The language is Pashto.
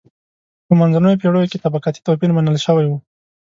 په منځنیو پېړیو کې طبقاتي توپیر منل شوی و.